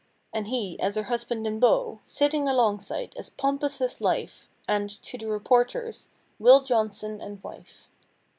And he, as her husband and beau. Sitting alongside, as pompous as life. And, to the reporters—"Will Johnson and wife."